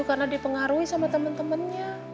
karena dipengaruhi sama temen temennya